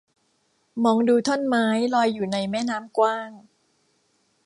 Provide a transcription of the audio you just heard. มองดูท่อนไม้ลอยอยู่ในแม่น้ำกว้าง